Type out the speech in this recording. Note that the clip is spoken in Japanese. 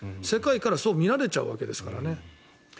世界からそう見られちゃうわけですから。